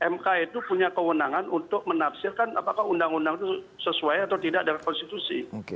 mk itu punya kewenangan untuk menafsirkan apakah undang undang itu sesuai atau tidak dari konstitusi